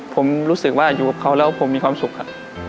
ผมรู้สึกว่าอยู่กับเขาแล้วผมมีความสุขครับ